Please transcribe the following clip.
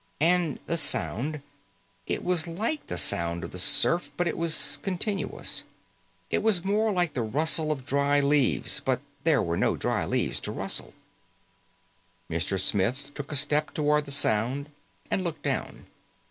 And the sound it was like the sound of the surf, but it was continuous. It was more like the rustle of dry leaves, but there were no dry leaves to rustle. Mr. Smith took a step toward the sound and looked down.